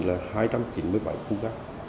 là hai trăm chín mươi bảy khu gác